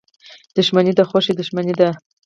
• دښمني د خوښۍ دښمنه ده.